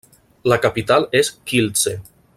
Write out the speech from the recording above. La capital és Kielce.